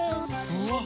うわ！